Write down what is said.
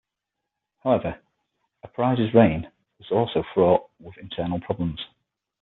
However, Apries' reign was also fraught with internal problems.